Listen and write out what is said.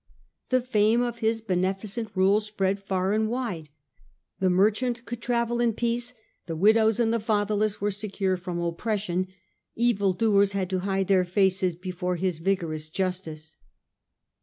The fame of his beneficent rule spread far and wide. The merchant could travel in peace ; the widows and the fatherless were secure from oppression ; evildoers had to hide their faces before his vigorous justice.